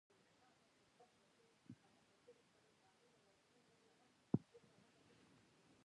د بسته بندۍ صنعت څنګه دی؟